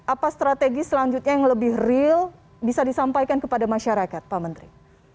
apa strategi selanjutnya yang lebih real bisa disampaikan kepada masyarakat pak menteri